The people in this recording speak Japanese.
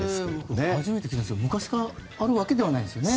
これ初めて聞いたんですが昔からあるわけではないんですよね。